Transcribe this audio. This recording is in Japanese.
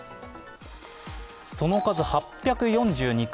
その数８４２回。